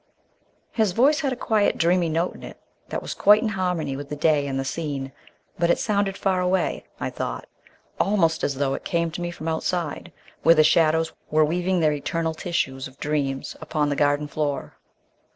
His voice had a quiet dreamy note in it that was quite in harmony with the day and the scene, but it sounded far away, I thought, almost as though it came to me from outside where the shadows were weaving their eternal tissue of dreams upon the garden floor.